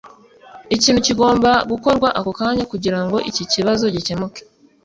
Ikintu kigomba gukorwa ako kanya kugirango iki kibazo gikemuke.